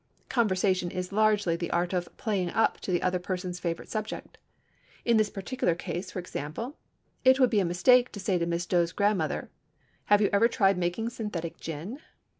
Conversation is largely the art of "playing up" to the other person's favorite subject. In this particular case, for example, it would be a mistake to say to Miss Doe's grandmother, "Have you ever tried making synthetic gin?"